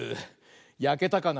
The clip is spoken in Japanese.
やけたかな。